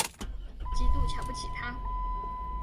极度瞧不起他